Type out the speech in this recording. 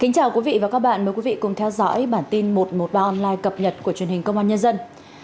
chào mừng quý vị đến với bản tin một trăm một mươi ba online cập nhật của truyền hình công an nhân dân